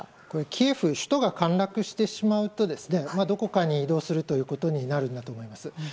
首都キエフが陥落してしまうとどこかに移動するということになるんだと思います。